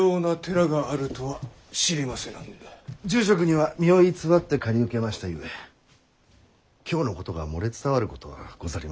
住職には身を偽って借り受けましたゆえ今日のことが漏れ伝わることはござりませぬ。